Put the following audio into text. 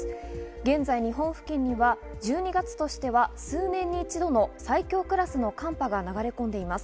現在、日本付近には１２月としては数年に一度の最強クラスの寒波が流れ込んでいます。